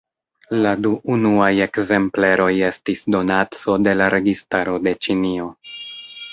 La du unuaj ekzempleroj estis donaco de la registaro de Ĉinio.